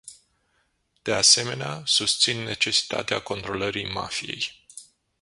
De asemenea, susțin necesitatea controlării mafiei.